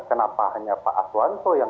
kenapa hanya pak aswanto yang